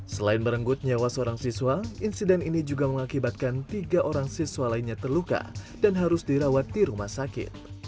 selain merenggut nyawa seorang siswa insiden ini juga mengakibatkan tiga orang siswa lainnya terluka dan harus dirawat di rumah sakit